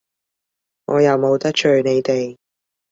我又冇得罪你哋！